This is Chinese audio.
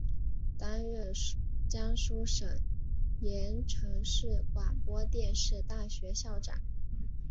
担任江苏省盐城市广播电视大学校长。